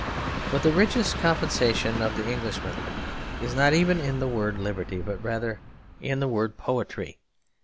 But the richest compensation of the Englishman is not even in the word 'liberty,' but rather in the word 'poetry.'